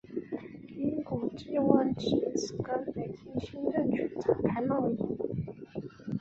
英国冀望藉此跟北京新政权展开贸易。